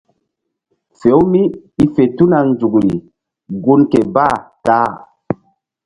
Fe-u mí i fe tuna nzukri gun ké bah ta.